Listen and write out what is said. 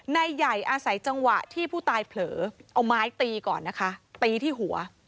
นายใหญ่อาศัยจังหวะที่ผู้ตายเผลอเอาไม้ตีก่อนนะคะตีที่หัว